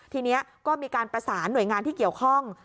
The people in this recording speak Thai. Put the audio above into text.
ทีนี้ก็มีการประสานหน่วยงานที่เกี่ยวข้อง